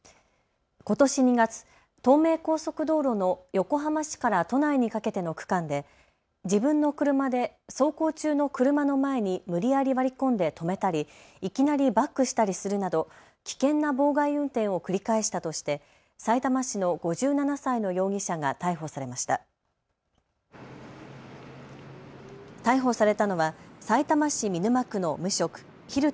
ことし２月、東名高速道路の横浜市から都内にかけての区間で自分の車で走行中の車の前に無理やり割り込んで止めたりいきなりバックしたりするなど危険な妨害運転を繰り返したとして、さいたま市の５７歳の容疑者が逮捕されました。